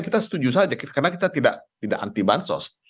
kita setuju saja karena kita tidak anti bansos